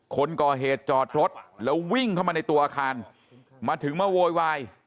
คนก่อเหตุจอดรถแล้ววิ่งเข้ามาในตัวอาคารมาถึงมาโวยวาย